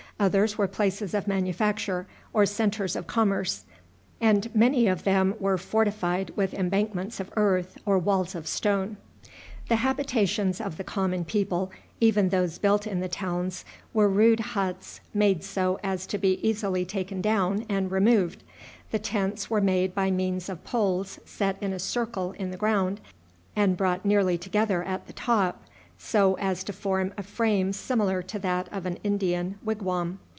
Others were places of manufacture or centres of commerce, and many of them were fortified with embankments of earth or walls of stone. The habitations of the common people, even those built in the towns, were rude huts made so as to be easily taken down and removed. The tents were made by means of poles set in a circle in the ground, and brought nearly together at the top, so as to form a frame similar to that of an Indian wigwam.